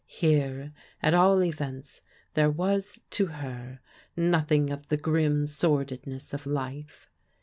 Here, at all events, there was, to her, nothing of the grim sordidness of life.